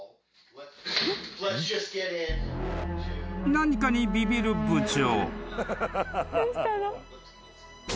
［何かにビビる部長］